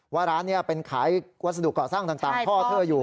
ว่าร้านนี้เป็นขายวัสดุเกาะสร้างต่างพ่อเธออยู่